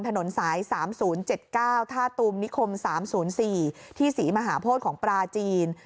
ถนนสายสามศูนย์เจ็ดเก้าท่าตุมนิคมสามศูนย์สี่ที่ศรีมหาโพธิของปลาจีน